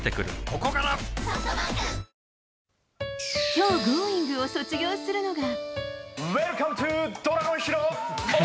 今日、「Ｇｏｉｎｇ！」を卒業するのが。